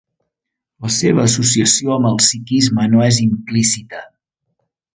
La seva associació amb el sikhisme no és implícita.